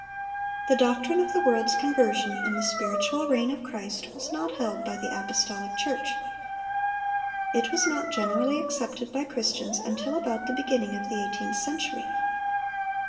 (522) The doctrine of the world's conversion and the spiritual reign of Christ was not held by the apostolic church. It was not generally accepted by Christians until about the beginning of the eighteenth century.